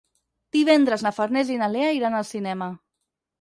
Divendres na Farners i na Lea iran al cinema.